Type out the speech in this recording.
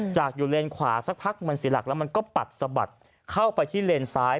จากอยู่เลนขวาสักพักมันเสียหลักแล้วมันก็ปัดสะบัดเข้าไปที่เลนซ้าย